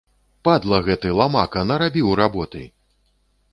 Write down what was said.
Падла гэты, ламака, нарабіў работы!